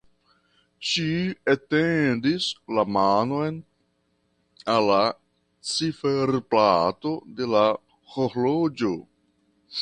Ŝi etendis la manon al la ciferplato de la horloĝo.